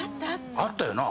あったよな？